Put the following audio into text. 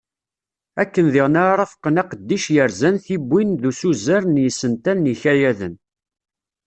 Akken diɣen ara rafqen aqeddic yerzan tiwwin d usuzer n yisental n yikayaden.